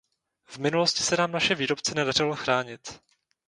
V minulosti se nám naše výrobce nedařilo chránit.